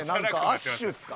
アッシュですか？